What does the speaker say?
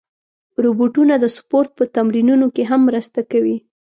روبوټونه د سپورت په تمرینونو کې هم مرسته کوي.